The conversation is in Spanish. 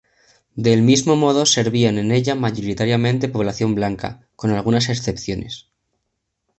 Del mismo modo servían en ella mayoritariamente población blanca, con algunas excepciones.